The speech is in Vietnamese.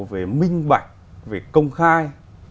về minh bạch về công khai